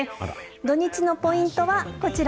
土日のポイントはこちら。